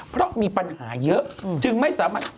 เพราะมีปัญหาเยอะจึงไม่สามารถ